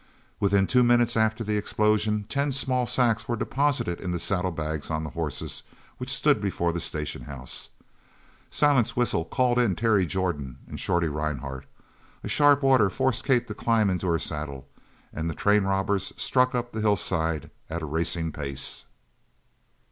Within two minutes after the explosion ten small sacks were deposited in the saddlebags on the horses which stood before the station house. Silent's whistle called in Terry Jordan and Shorty Rhinehart a sharp order forced Kate to climb into her saddle and the train robbers struck up the hillside at a racing pace.